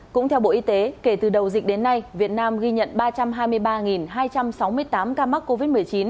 cũng theo bộ y tế kể từ đầu dịch đến nay việt nam ghi nhận ba trăm hai mươi ba hai trăm sáu mươi tám ca mắc covid một mươi chín